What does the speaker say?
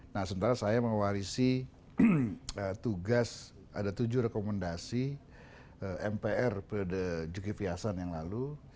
nah sementara saya mewarisi tugas ada tujuh rekomendasi mpr periode juki fiasan yang lalu